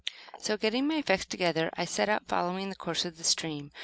So, getting my effects together, I set out, following the course of the stream.